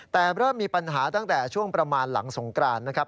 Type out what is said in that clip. แต่เริ่มมีปัญหาตั้งแต่ช่วงประมาณหลังสงกรานนะครับ